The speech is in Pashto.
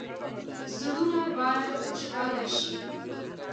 زړونه باید خوشحاله شي